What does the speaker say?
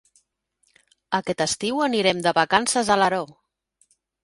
Aquest estiu anirem de vacances a Alaró.